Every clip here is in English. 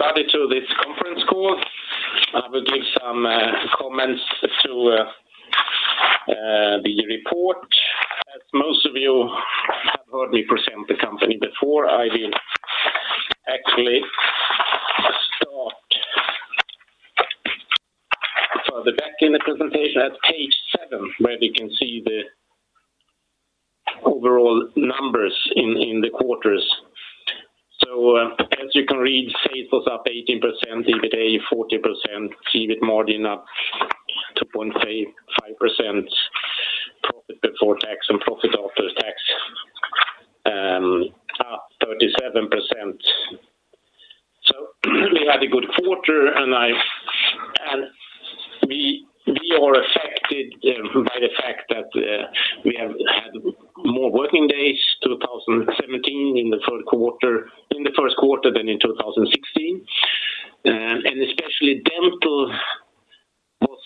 Welcome everybody to this conference call. I will give some comments to the report. As most of you have heard me present the company before, I will actually start further back in the presentation at page 7, where you can see the overall numbers in the quarters. As you can read, sales was up 18%, EBITA 40%, EBITA margin up 2.5%, profit before tax, and profit after tax, 37%. We had a good quarter, and we are affected by the fact that we have had more working days in 2017 in the first quarter than in 2016. Especially dental was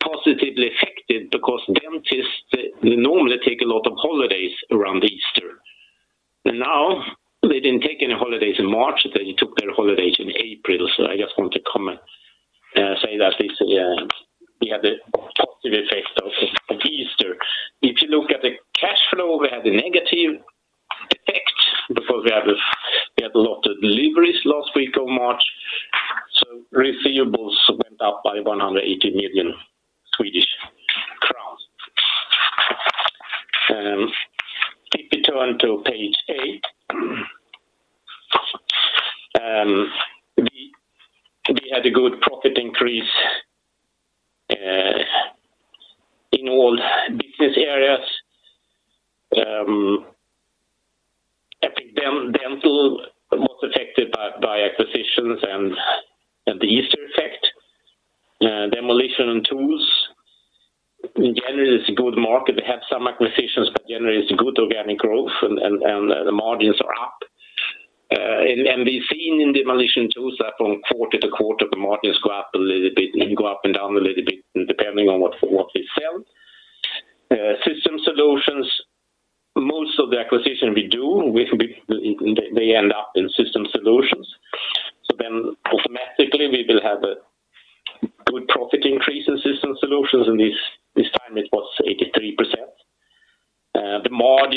positively affected because dentists normally take a lot of holidays around Easter. Now they did not take any holidays in March; they took their holidays in April. I just want to say that we had a positive effect of Easter. If you look at the cash flow, we had a negative effect because we had a lot of deliveries last week of March. Receivables went up by SEK 180 million. If we turn to page 8, we had a good profit increase in all business areas. I think dental was affected by acquisitions and the Easter effect. Demolition and tools, generally, it's a good market. We had some acquisitions, generally, it's good organic growth, and the margins are up. We've seen in demolition and tools that from quarter-to-quarter, the margins go up a little bit and go up and down a little bit depending on what we sell. System solutions, most of the acquisitions we do, they end up in system solutions. Automatically, we will have a good profit increase in system solutions, and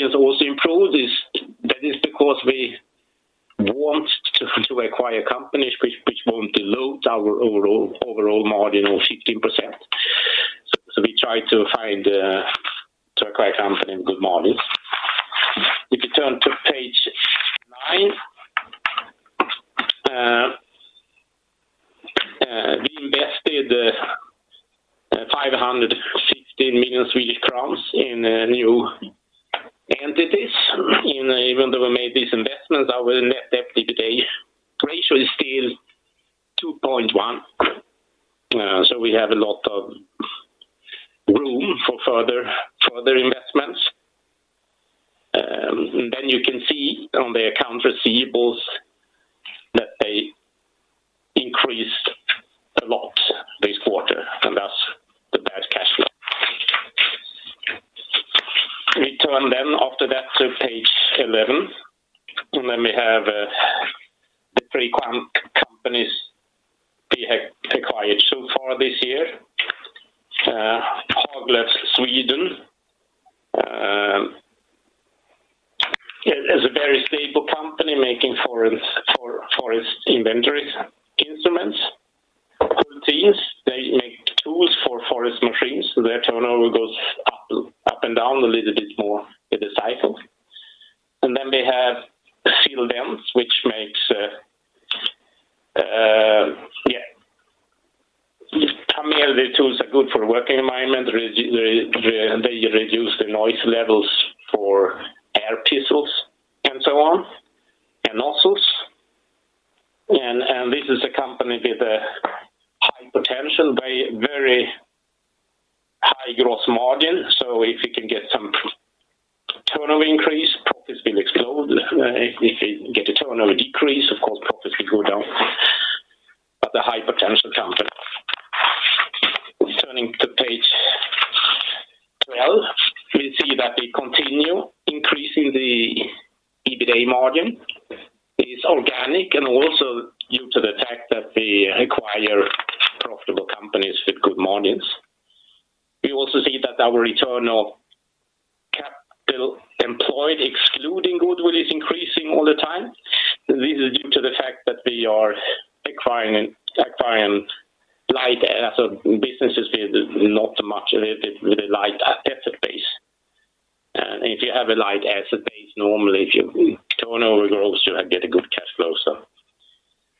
this time it was 83%. The margins also improved. That is because we want to acquire companies which won't dilute our overall margin of 15%. We try to acquire companies with good margins. If you turn to page 9, we invested SEK 516 million in new entities. Even though we made these investments, our net debt to EBITDA ratio is still 2.1. We have a lot of room for further investments. You can see on the account receivables that they increased a lot this quarter, and that's the bad cash flow. We turn after that to page 11, and then we have the three companies we have acquired so far this year. Haglöf Sweden is a very stable company making forest inventory instruments. Hultdins, they make tools for forest machines. Their turnover goes up and down a little bit more with the cycle. Then we have Silvent, which makes yeah. Silvent, the tools are good for working environment. They reduce the noise levels for air pistols and so on, and nozzles. This is a company with a high potential, very high gross margin. If you can get some turnover increase, profits will explode. If you get a turnover decrease, of course, profits will go down. A high potential company. Turning to page 12, we see that we continue increasing the EBITDA margin. It is organic and also due to the fact that we acquire profitable companies with good margins. We also see that our return on capital employed, excluding goodwill, is increasing all the time. This is due to the fact that we are acquiring light businesses with not much, with a light asset base. If you have a light asset base, normally if your turnover grows, you get a good cash flow.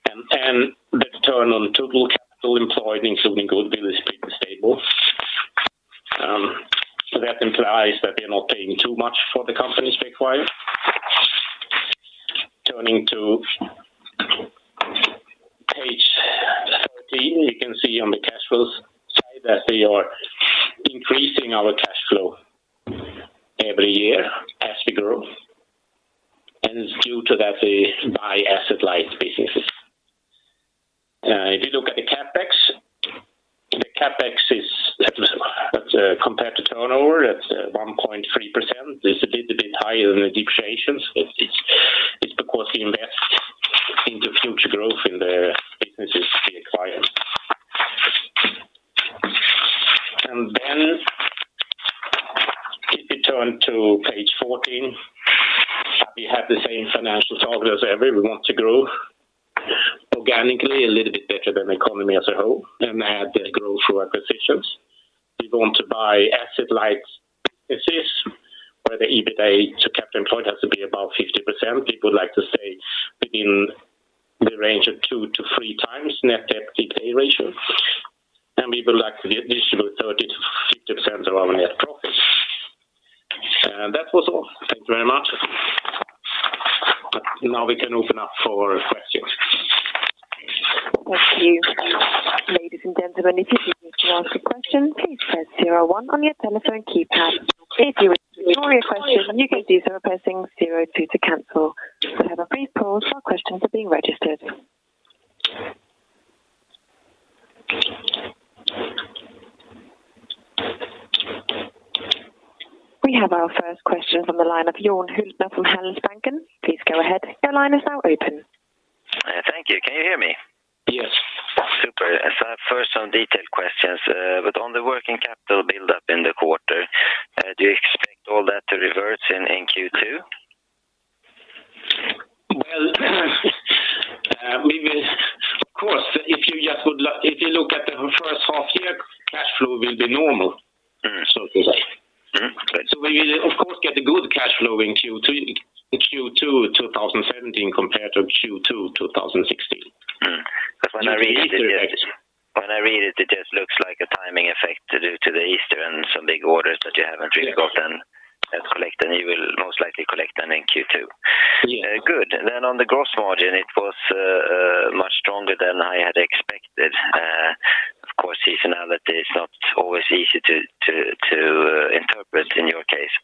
The return on total capital employed, including goodwill, is pretty stable. That implies that we're not paying too much for the companies we acquire. Turning to page 13, you can see on the cash flows side that we are increasing our cash flow every year as we grow. It's due to the fact that we buy asset-light businesses. If you look at the CapEx, the CapEx is compared to turnover, that's 1.3%. It's a little bit higher than the depreciations. It's because we invest into future growth in the businesses we acquire. If you turn to page 14, we have the same financial targets everywhere. We want to grow organically a little bit better than the economy as a whole and add the growth through acquisitions. We want to buy asset-light businesses where the EBITDA to capital employed has to be above 50%. People like to stay within the range of two to three times net EBITDA ratio. We would like to distribute 30-50% of our net profit. That was all. Thank you very much. Now we can open up for questions. Thank you. Ladies and gentlemen, if you do need to ask a question, please press zero one on your telephone keypad. If you want to ignore your question, you can do so by pressing zero two to cancel. We have a brief pause while questions are being registered. We have our first question from the line of Jorn Hultner from Handelsbanken. Please go ahead. Your line is now open. Thank you. Can you hear me? Yes. Super. First, some detailed questions. On the working capital build-up in the quarter, do you expect all that to reverse in Q2? If you just would like, if you look at the first half year, cash flow will be normal, so to say. We will, of course, get a good cash flow in Q2 2017 compared to Q2 2016. Because when I read it, it just looks like a timing effect due to the Easter and some big orders that you have not really gotten and collect, and you will most likely collect them in Q2. Yeah. Good. On the gross margin, it was much stronger than I had expected. Of course, seasonality is not always easy to interpret in your case.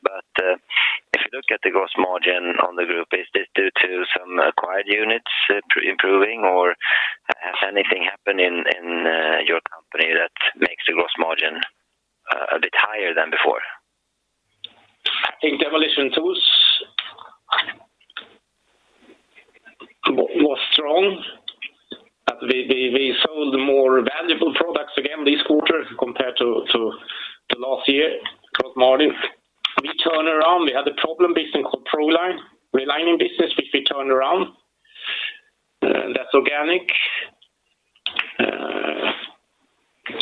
If you look at the gross margin on the group, is this due to some acquired units improving, or has anything happened in your company that makes the gross margin a bit higher than before? I think demolition and tools was strong. We sold more valuable products again this quarter compared to last year's gross margin. We turned around. We had a problem with the Proline relining business, which we turned around. That's organic.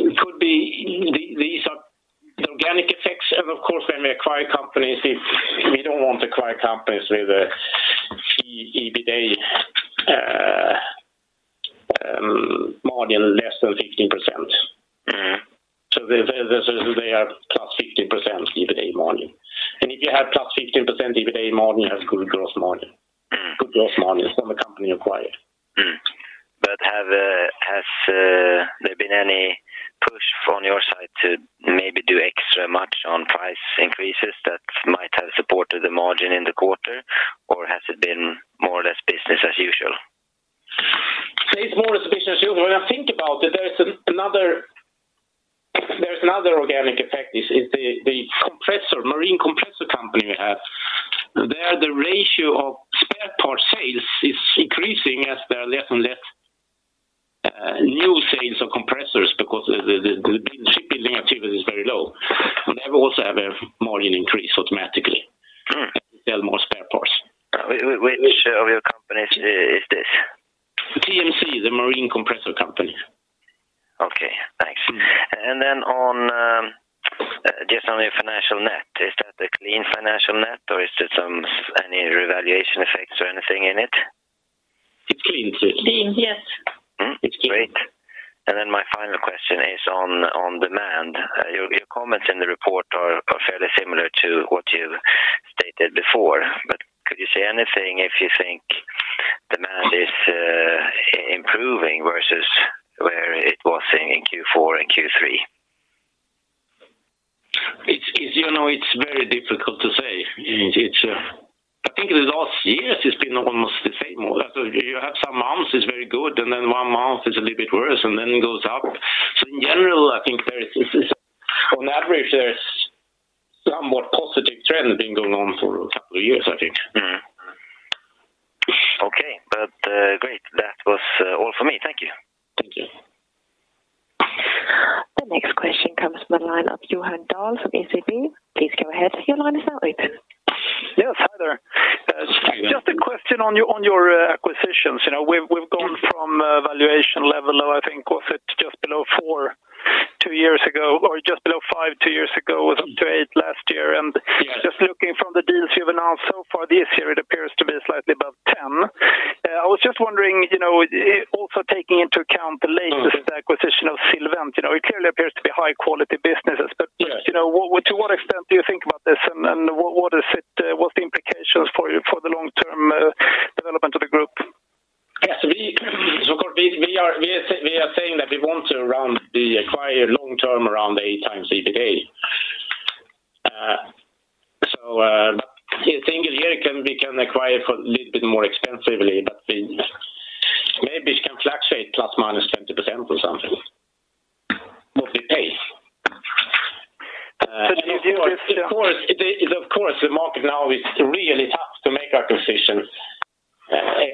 These are the organic effects. Of course, when we acquire companies, we do not want to acquire companies with an EBITDA margin less than 15%. They are plus 15% EBITDA margin. If you have plus 15% EBITDA margin, you have good gross margin, good gross margins from a company acquired. Has there been any push from your side to maybe do extra much on price increases that might have supported the margin in the quarter, or has it been more or less business as usual? It's more or less business as usual. When I think about it, there's another organic effect. It's the compressor, marine compressor company we have. There, the ratio of spare part sales is increasing as there are less and less new sales of compressors because the shipbuilding activity is very low. They also have a margin increase automatically as we sell more spare parts. Which of your companies is this? TMC, the marine compressor company. Okay. Thanks. Just on your financial net, is that a clean financial net, or is there any revaluation effects or anything in it? It's clean. It's clean, yes. It's clean. Great. My final question is on demand. Your comments in the report are fairly similar to what you stated before, but could you say anything if you think demand is improving versus where it was in Q4 and Q3? It's very difficult to say. I think the last years it's been almost the same. You have some months it's very good, and then one month it's a little bit worse, and it goes up. In general, I think on average, there's somewhat positive trends been going on for a couple of years, I think. Okay. Great. That was all for me. Thank you. Thank you. The next question comes from the line of Johan Dahl from SEB. Please go ahead. Your line is now open. Yes. Hi there. Just a question on your acquisitions. We've gone from valuation level of, I think, was it just below 4 two years ago, or just below 5 two years ago, was up to 8 last year. Just looking from the deals you've announced so far this year, it appears to be slightly above 10. I was just wondering, also taking into account the latest acquisition of Silvent, it clearly appears to be high-quality businesses. To what extent do you think about this, and what is it? What's the implications for the long-term development of the group? Yes. We are saying that we want to acquire long-term around 8 times EBITDA. In a single year, we can acquire for a little bit more expensively, but maybe it can fluctuate plus minus 20% or something, what we pay. Of course, the market now is really tough to make acquisitions,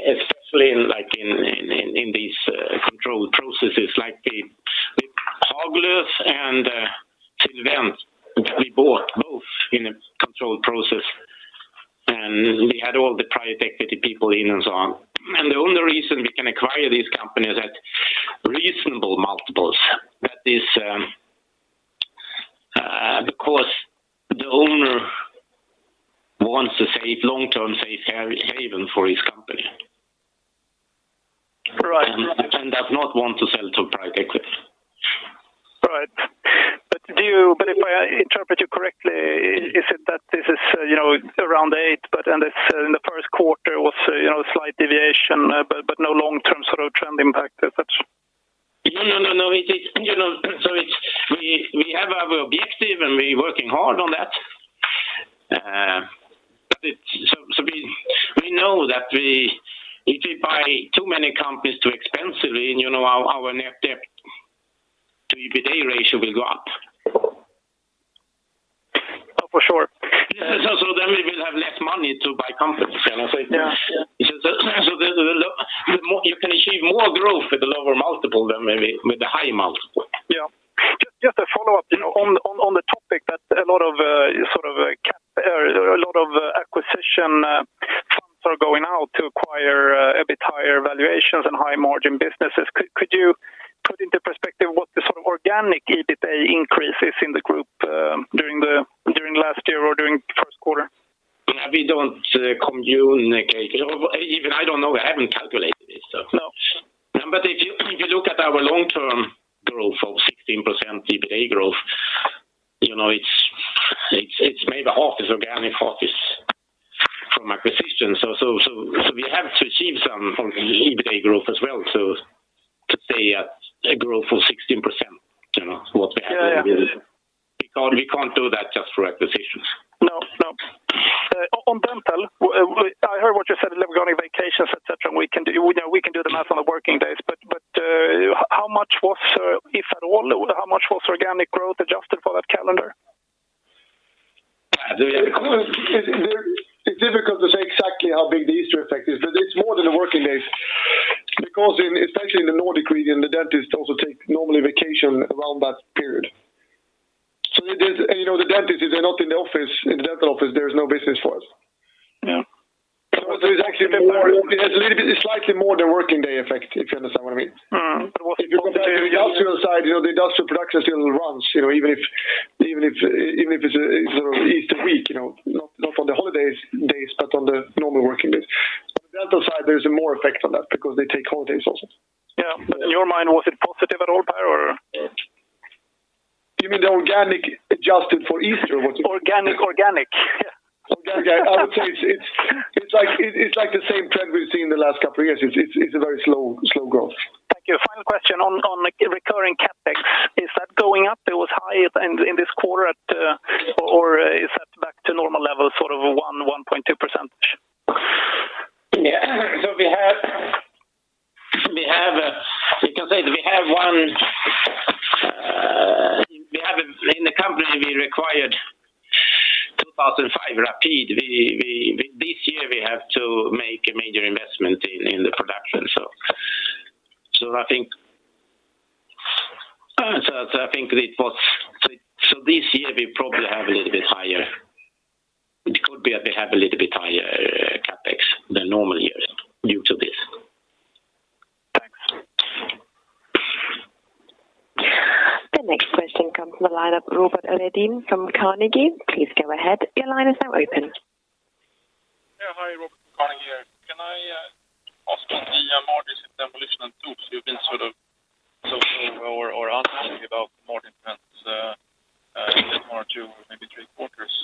especially in these controlled processes like Haglöf and Silvent. We bought both in a controlled process, and we had all the private equity people in and so on. The only reason we can acquire these companies at reasonable multiples is that the owner wants to save long-term safe haven for his company and does not want to sell to private equity. Right. If I interpret you correctly, is it that this is around 8, and in the first quarter was a slight deviation, but no long-term sort of trend impact? No, no, no. We have our objective, and we're working hard on that. We know that if we buy too many companies too expensively, our net debt to EBITDA ratio will go up. Oh, for sure. We will have less money to buy companies. You can achieve more growth with a lower multiple than with a high multiple. Yeah. Just a follow-up on the topic that a lot of sort of a lot of acquisition funds are going out to acquire at a bit higher valuations and high-margin businesses. Could you put into perspective what the sort of organic EBITDA increase is in the group during last year or during the first quarter? We do not communicate. Even I do not know. I have not calculated it, so. If you look at our long-term growth of 16% EBITDA growth, it is maybe half as organic, half as from acquisition. We have to achieve some EBITDA growth as well to say a growth of 16%, what we have in the business. We cannot do that just through acquisitions. No. No. On dental, I heard what you said about going on vacations, etc., and we can do the math on the working days. How much was, if at all, how much was organic growth adjusted for that calendar? It's difficult to say exactly how big the Easter effect is, but it's more than the working days because especially in the Nordic region, the dentists also take normally vacation around that period. The dentists, if they're not in the office, in the dental office, there's no business for us. It's actually a little bit slightly more than working day effect, if you understand what I mean. If you compare to the industrial side, the industrial production still runs, even if it's sort of Easter week, not on the holidays, but on the normal working days. On the dental side, there's more effect on that because they take holidays also. Yeah. In your mind, was it positive at all, Per, or? You mean the organic adjusted for Easter? Organic, organic. Organic. I would say it's like the same trend we've seen in the last couple of years. It's a very slow growth. Thank you. Final question on recurring CapEx. Is that going up? It was high in this quarter, or is that back to normal levels, sort of 1-1.2%? Yeah. We can say that we have one in the company we acquired in 2005 rapidly. This year, we have to make a major investment in the production. I think it was—this year, we probably have a little bit higher. It could be that we have a little bit higher CapEx than normal years due to this. Thanks. The next question comes from the line of Robert Redin from Carnegie. Please go ahead. Your line is now open. Yeah. Hi, Robert from Carnegie here. Can I ask you, in the margins, if demolition and tools have been sort of—or unheard about margin trends in the last one or two, maybe three quarters?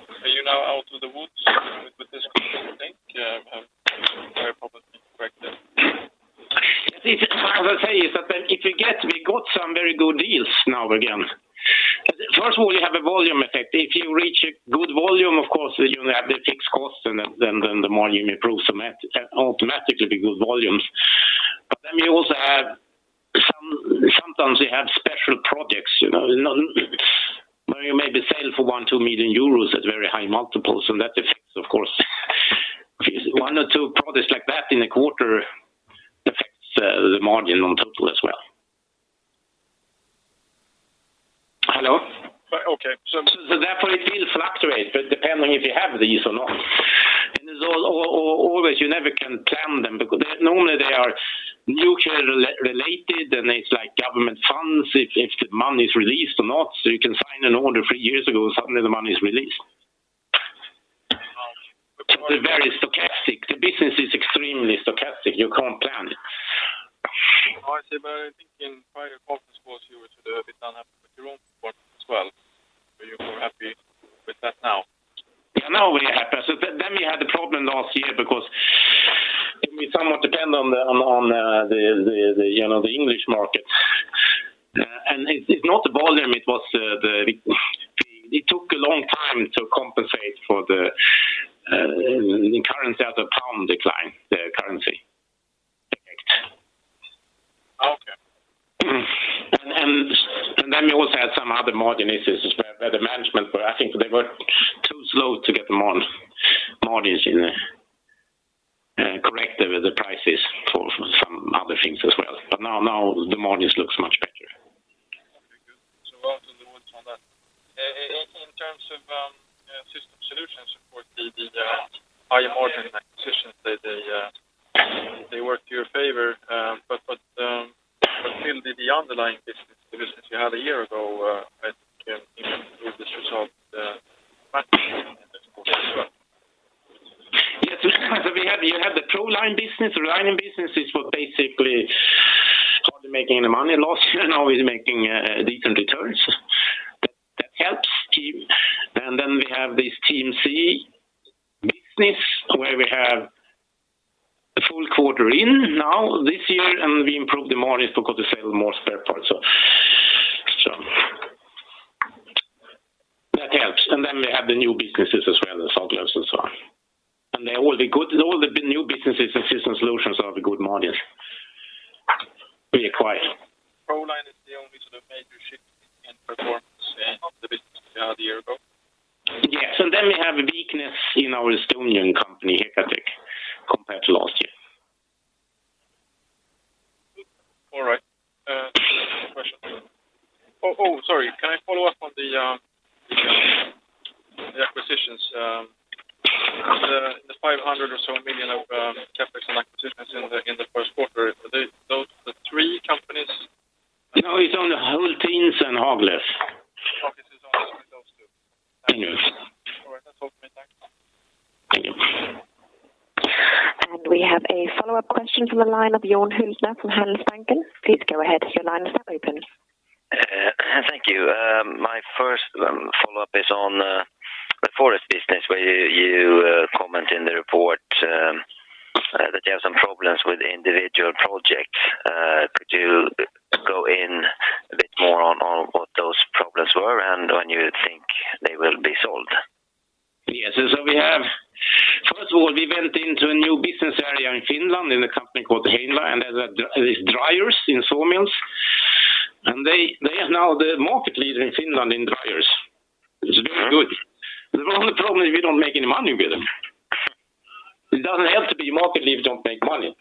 Are you now out of the woods with this comment, do you think? I probably need to correct it. As I say, it's that if you get—we got some very good deals now again. First of all, you have a volume effect. If you reach a good volume, of course, you have the fixed cost, and then the margin improves automatically with good volumes. You also have sometimes you have special projects where you maybe sell for 1 million, 2 million euros at very high multiples, and that affects, of course, one or two projects like that in a quarter affects the margin on total as well. Hello? Okay. So. Therefore, it will fluctuate, depending if you have these or not. You never can plan them because normally they are nuclear-related, and it is like government funds if the money is released or not. You can sign an order three years ago, and suddenly the money is released. It is very stochastic. The business is extremely stochastic. You cannot plan it. I see. I think in prior conference calls you were to do, it didn't happen, but your own as well. You were happy with that now. Yeah. Now we're happy. We had the problem last year because we somewhat depend on the English market. It's not the volume. It took a long time to compensate for the currency as the pound declined, the currency effect. Okay. We also had some other margin issues where the management, I think they were too slow to get the margins corrected with the prices for some other things as well. Now the margins look much better. Very good. We are out of the woods on that. In terms of system solutions, of course, the higher margin acquisitions, they work to your favor. Still, the underlying business, the business you had a year ago, I think improved this result much in the quarter as well. You had the Proline business. The line business is what basically hardly making any money loss and always making decent returns. That helps. We have this TMC business where we have the full quarter in now this year, and we improved the margins because we sell more spare parts. That helps. We have the new businesses as well, the Haglöf Sweden and so on. They are all good. All the new businesses and system solutions are the good margins we acquired. Proline is the only sort of major shift in performance in the business we had a year ago. Yes. We have a weakness in our Estonian company, Hekotek, compared to last year. All right. Question. Oh, sorry. Can I follow up on the acquisitions? The 500 or so million of CapEx and acquisitions in the first quarter, those are the three companies. No, it's only Hultdins and Haglöf. Okay. It's only those two. Minutes. All right. That's all for me. Thanks. Thank you. We have a follow-up question from the line of Jorn Hultner from Handelsbanken. Please go ahead. Your line is now open. Thank you. My first follow-up is on the forest business, where you comment in the report that you have some problems with individual projects. Could you go in a bit more on what those problems were and when you think they will be solved? Yes. First of all, we went into a new business area in Finland in a company called Heinola, and they did dryers in sawmills. They are now the market leader in Finland in dryers. It's very good. The only problem is we don't make any money with them. It doesn't have to be market leader if you don't make money.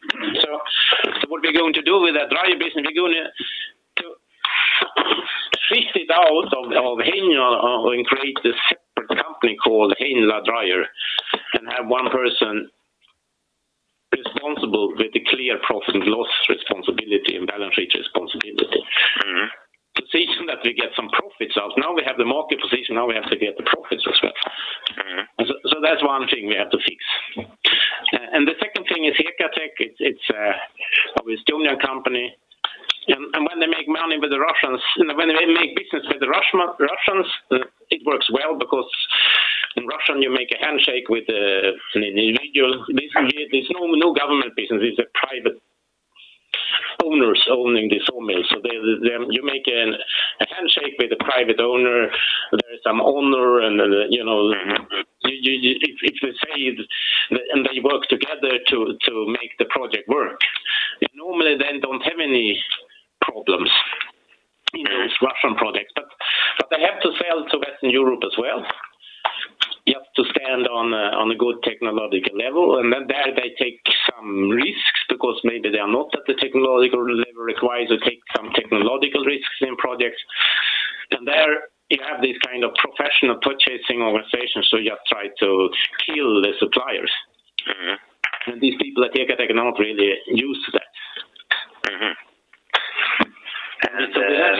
What we're going to do with that dryer business, we're going to shift it out of Heinola and create a separate company called Heinola Dryer and have one person responsible with clear profit and loss responsibility and balance sheet responsibility. The position is that we get some profits out. Now we have the market position. Now we have to get the profits as well. That's one thing we have to fix. The second thing is Hekotek. It's an Estonian company. When they make money with the Russians, when they make business with the Russians, it works well because in Russia, you make a handshake with an individual. This is no government business. It is a private owner owning the sawmill. You make a handshake with a private owner. There is some honor, and if they say and they work together to make the project work, normally they do not have any problems in those Russian projects. They have to sell to Western Europe as well. You have to stand on a good technological level. There they take some risks because maybe they are not at the technological level required to take some technological risks in projects. There you have this kind of professional purchasing organization, so you have to try to kill the suppliers. These people at Hekotek cannot really use that. We have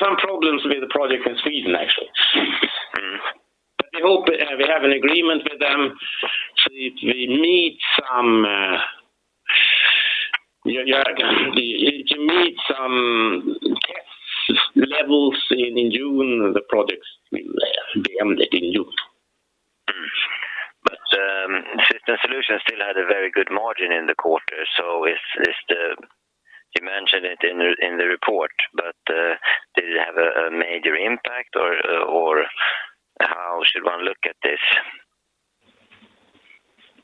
some problems with the project in Sweden, actually. We hope we have an agreement with them. If we meet some test levels in June, the projects will be ended in June. System Solutions still had a very good margin in the quarter. You mentioned it in the report, but did it have a major impact, or how should one look at this?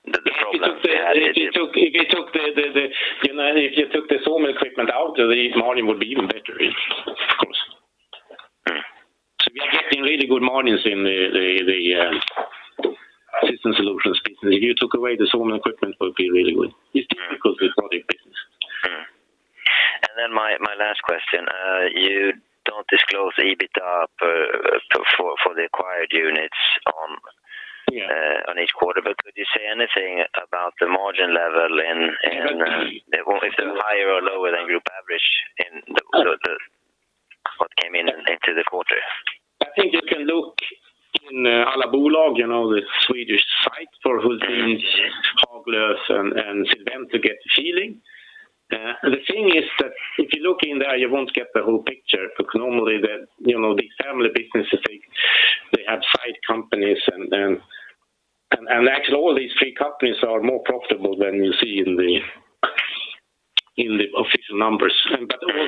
The problem you had. If you took the sawmill equipment out, the margin would be even better, of course. We are getting really good margins in the System Solutions business. If you took away the sawmill equipment, it would be really good. It's difficult with project business. My last question. You don't disclose EBITDA for the acquired units on each quarter, but could you say anything about the margin level if they're higher or lower than group average in what came in into the quarter? I think you can look in Aktiebolag, the Swedish site, for Hultdins, Haglöf, and Silvent to get the feeling. The thing is that if you look in there, you won't get the whole picture because normally these family businesses, they have side companies. Actually, all these three companies are more profitable than you see in the official numbers.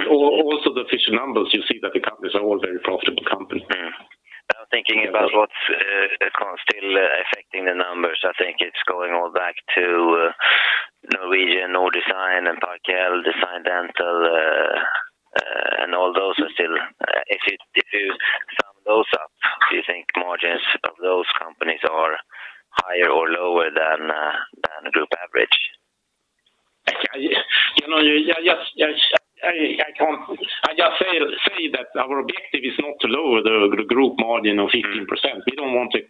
Also, the official numbers, you see that the companies are all very profitable companies. Now, thinking about what's still affecting the numbers, I think it's going all back to Norwegian Nordesign and Parcel, Design Dental, and all those are still, if you sum those up, do you think margins of those companies are higher or lower than group average? I can't say that our objective is not to lower the group margin of 15%. We don't want to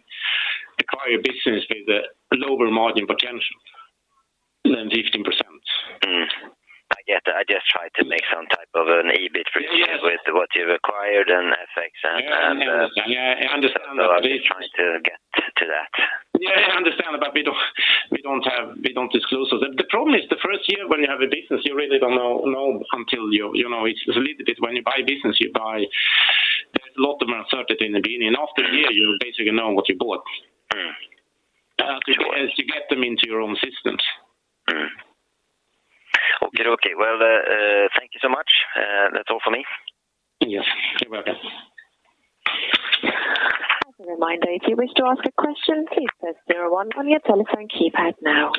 acquire a business with a lower margin potential than 15%. I get it. I just tried to make some type of an EBIT report with what you've acquired and FX. Yeah. I understand that. I'm just trying to get to that. Yeah. I understand that, but we do not disclose those. The problem is the first year when you have a business, you really do not know until it is a little bit when you buy a business, you buy a lot of uncertainty in the beginning. After a year, you basically know what you bought as you get them into your own systems. Okay. Okay. Thank you so much. That's all for me. Yes. You're welcome. As a reminder, if you wish to ask a question, please press zero one on your telephone keypad now.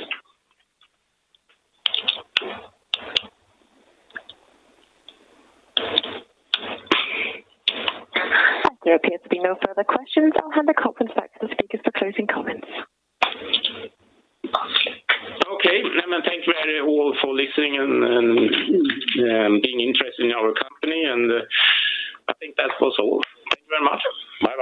There appears to be no further questions. I'll hand the conference back to the speakers for closing comments. Okay. Thank you, everyone, for listening and being interested in our company. I think that was all. Thank you very much. Bye.